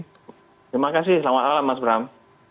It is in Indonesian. terima kasih selamat malam mas bram